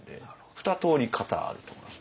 ふたとおり型あると思います。